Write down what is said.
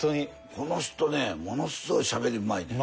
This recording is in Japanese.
この人ねものすごいしゃべりうまいね。